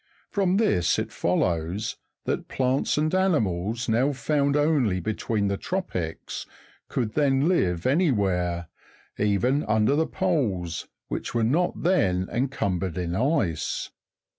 From this it follows, that plants and animals now found only between^the tropics could then live anywhere, even under the poles, which were not then encumbered in ice.